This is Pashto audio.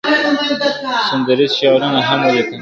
سندریز شعرونه هم ولیکل !.